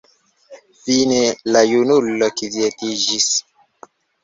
Fine la junulo kvietiĝis.